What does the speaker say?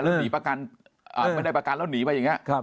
แล้วหนีประกันไม่ได้ประกันแล้วหนีไปอย่างนี้